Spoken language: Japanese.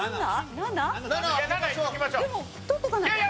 ７７？でも取っとかないと。